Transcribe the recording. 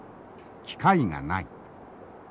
機械がない。